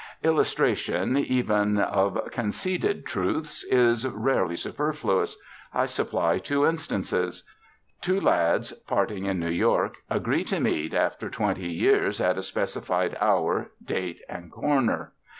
Illustration, even of conceded truths, is rarely superfluous. I supply two instances. Two lads, parting in New York, agree to meet "After Twenty Years" at a specified hour, date, and corner.